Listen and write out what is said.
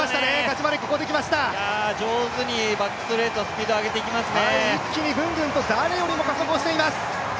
上手にバックストレート、スピード上げてきますね。